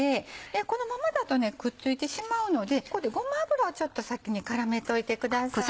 このままだとくっついてしまうのでここでごま油を先に絡めといてください。